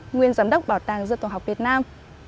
nguyên giám đốc bảo tàng dân tổ học việt nam